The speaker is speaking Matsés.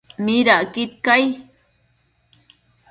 ¿midacquid cai ?